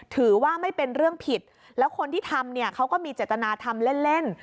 ถือว่าไม่เป็นเรื่องผิดแล้วคนที่ทำเนี่ยเขาก็มีเจตนาทำเล่นเล่น